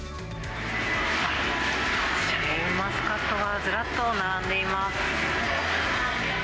シャインマスカットがずらっと並んでいます。